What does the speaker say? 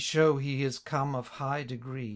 Show he is come of high degree.'